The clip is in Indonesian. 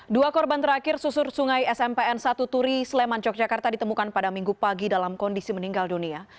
dua korban terakhir susur sungai smpn satu turi sleman yogyakarta ditemukan pada minggu pagi dalam kondisi meninggal dunia